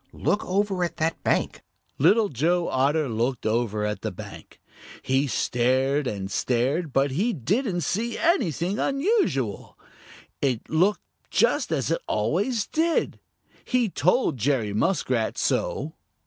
Look over at that bank." Little Joe Otter looked over at the bank. He stared and stared, but he didn't see anything unusual. It looked just as it always did. He told Jerry Muskrat so.